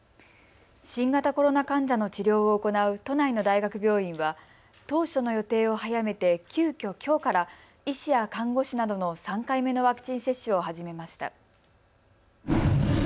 新型コロナ患者の治療を行う都内の大学病院は当初の予定を早めて急きょ、きょうから医師や看護師などの３回目のワクチン接種を始めました。